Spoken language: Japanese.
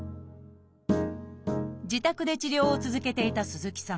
自宅で治療を続けていた鈴木さん。